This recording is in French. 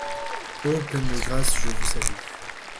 Ô pleine de grâce, je vous salue.